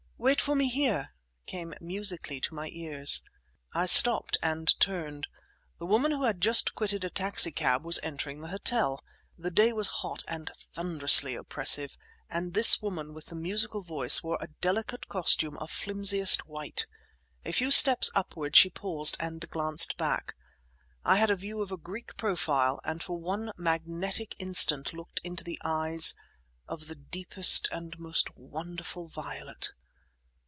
"Wait for me here," came musically to my ears. I stopped, and turned. A woman who had just quitted a taxi cab was entering the hotel. The day was hot and thunderously oppressive, and this woman with the musical voice wore a delicate costume of flimsiest white. A few steps upward she paused and glanced back. I had a view of a Greek profile, and for one magnetic instant looked into eyes of the deepest and most wonderful violet.